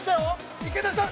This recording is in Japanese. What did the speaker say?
◆池田さん